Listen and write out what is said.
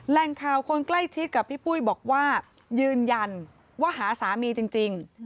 แหล่งข่าวคนใกล้ชิดกับพี่ปุ้ยบอกว่ายืนยันว่าหาสามีจริง